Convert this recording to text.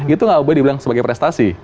itu nggak boleh dibilang sebagai prestasi